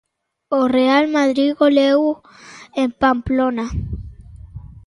O Real Madrid goleou en Pamplona.